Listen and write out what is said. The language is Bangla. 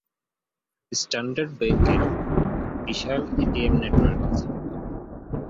স্ট্যান্ডার্ড ব্যাংকের বিশাল এটিএম নেটওয়ার্ক আছে।